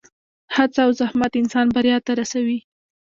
هڅه او زحمت انسان بریا ته رسوي.